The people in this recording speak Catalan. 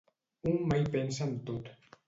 Un mai pensa en tot.